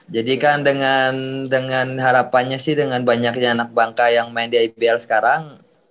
jadi kan dengan harapannya sih dengan banyaknya anak bangka yang main di ipbl sekarang